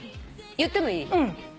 言ってもいい？